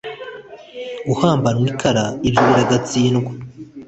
guhambanwa ikara ibyo biragatsindwa